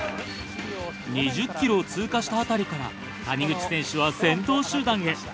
２０ｋｍを通過した辺りから谷口選手は先頭集団へ。